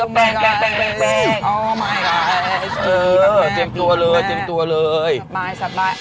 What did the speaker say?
สะบาย